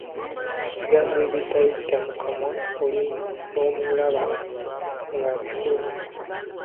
Ebigambo ebitayita mu kamwa, oli n'omulaba nga abifulumizza.